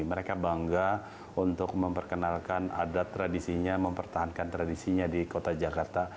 mereka bangga untuk memperkenalkan adat tradisinya mempertahankan tradisinya di kota jakarta